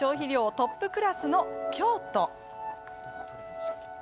トップクラスの京都。